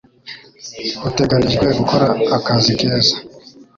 Uteganijwe gukora akazi keza.